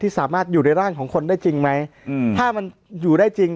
สามารถอยู่ในร่างของคนได้จริงไหมอืมถ้ามันอยู่ได้จริง